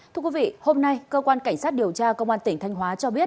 thưa quý vị hôm nay cơ quan cảnh sát điều tra công an tỉnh thanh hóa cho biết